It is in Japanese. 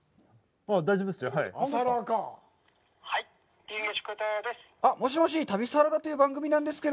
大丈夫ですよ。